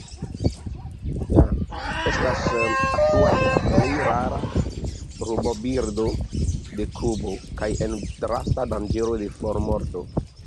Estas aktuale la plej rara rabobirdo de Kubo, kaj en drasta danĝero de formorto.